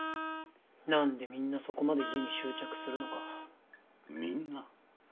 何でみんなそこまで家に執着するのかみんな？